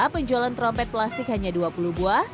penjualan trompet plastik hanya dua puluh buah